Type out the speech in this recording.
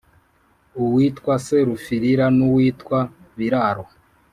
uwitwa serufirira n’uwitwa biraro